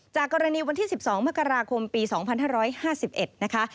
จากกรณีวันที่สิบสองมกราคมปีสองพันห้าร้อยห้าสิบเอ็ดนะคะ